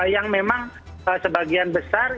yang memang sebagian besar